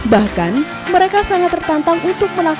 bahkan mereka sangat tertantang untuk melakukan